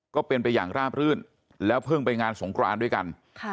ก็เป็นไปอย่างราบรื่นแล้วเพิ่งไปงานสงครานด้วยกัน